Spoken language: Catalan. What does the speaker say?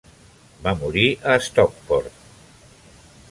Va morir a Stockport.